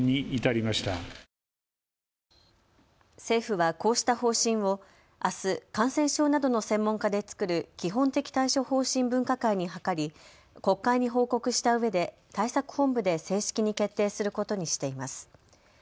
政府はこうした方針をあす、感染症などの専門家で作る基本的対処方針分科会に諮り国会に報告したうえで対策本部で正式に決定することにしています。